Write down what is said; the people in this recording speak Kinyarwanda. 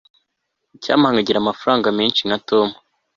icyampa nkagira amafaranga menshi nka tom